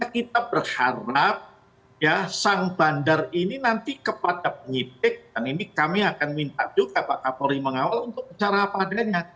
kita berharap ya sang bandar ini nanti kepada penyidik dan ini kami akan minta juga pak kapolri mengawal untuk bicara apa adanya